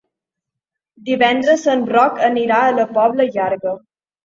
Divendres en Roc anirà a la Pobla Llarga.